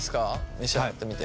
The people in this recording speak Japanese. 召し上がってみて。